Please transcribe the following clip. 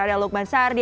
ada lukman sardi